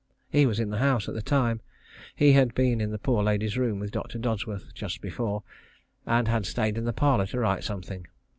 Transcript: He was in the house at the time. He had been in the poor lady's room with Dr. Dodsworth just before, and had stayed in the parlour to write something.